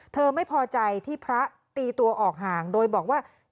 เธอไม่พอใจที่พระตีตัวออกห่างโดยบอกว่า